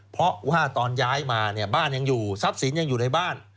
เพราะว่าตอนย้ายมาเนี่ยบ้านยังอยู่ทรัพย์สินยังอยู่ในบ้าน